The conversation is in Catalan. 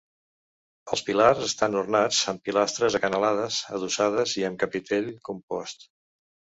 Els pilars estan ornats amb pilastres acanalades, adossades i amb capitell compost.